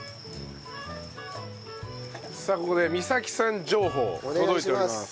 さあここで美咲さん情報届いております。